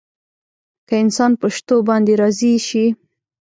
که انسان په شتو باندې راضي شي.